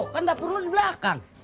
kan dapurnu di belakang